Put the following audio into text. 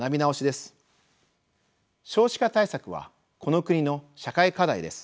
少子化対策はこの国の社会課題です。